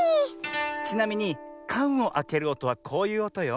ちなみにかんをあけるおとはこういうおとよ。